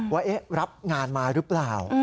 ว่ารับงานมาหรือเปล่า